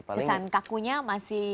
kesan kakunya masih